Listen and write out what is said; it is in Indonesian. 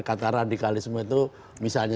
kata radikalisme itu misalnya